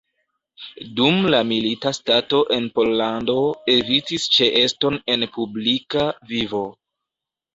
Dum la milita stato en Pollando evitis ĉeeston en publika vivo.